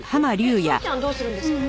えっ宗ちゃんどうするんですか？